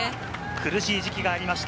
苦しい時期がありました。